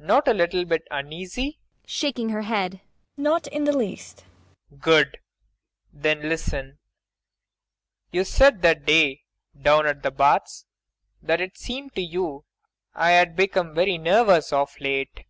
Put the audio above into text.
Not a little bit uneasy. MAIA. [Shaking her head.] Not in the least. PROFESSOR RUBEK. Good. Then listen. You said that day down at the Baths that it seemed to you I had become very nervous of late MAIA.